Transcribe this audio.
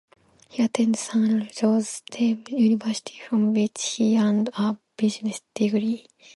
He attended San Jose State University, from which he earned a business degree.